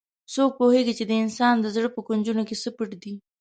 څوک پوهیږي چې د انسان د زړه په کونجونو کې څه پټ دي